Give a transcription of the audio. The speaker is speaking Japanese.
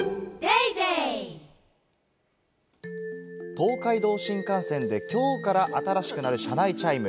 東海道新幹線できょうから新しくなる車内チャイム。